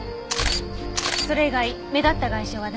それ以外目立った外傷はないわね。